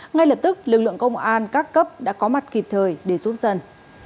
ngay lập tức lực lượng công an các cấp đã có mặt kịp thời để giúp dân